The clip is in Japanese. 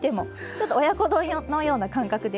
ちょっと親子丼のような感覚でね。